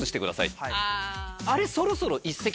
あれそろそろ。